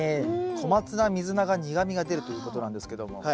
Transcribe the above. コマツナミズナが苦みが出るということなんですけども。